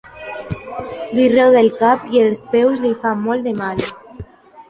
Li roda el cap i els peus li fan molt de mal.